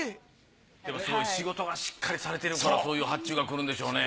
でもすごい仕事がしっかりされてるからそういう発注がくるんでしょうね。